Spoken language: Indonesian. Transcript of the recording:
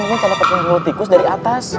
mungkin tenang kepung mulut tikus dari atas